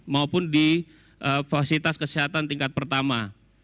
maupun di fasilitas kesehatan tingkat pertama